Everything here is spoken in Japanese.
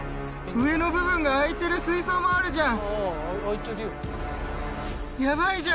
上の部分が開いてる水槽もあるじゃん！